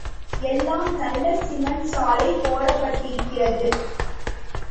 எல்லாம் நல்ல சிமண்ட் சாலை போடப்பட்டிருக்கிறது.